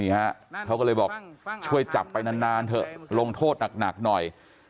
เขาก็เลยบอกช่วยจับไปนานเถอะลงโทษหนักหน่อย